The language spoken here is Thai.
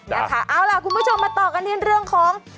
นะคะเอาล่ะคุณผู้ชมมาต่อกันที่เรื่องของ